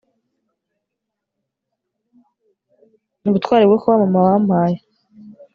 ubutwari bwo kuba mama wampaye